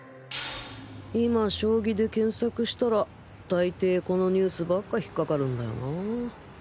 現在今将棋で検索したら大抵このニュースばっか引っかかるんだよなぁ